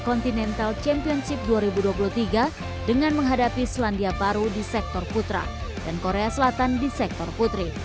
continental championship dua ribu dua puluh tiga dengan menghadapi selandia baru di sektor putra dan korea selatan di sektor putri